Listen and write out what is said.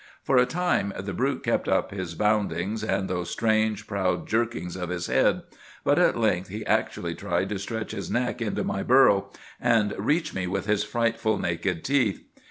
"For a time the brute kept up his boundings and those strange, proud jerkings of his head; but at length he actually tried to stretch his neck into my burrow, and reach me with his frightful naked teeth.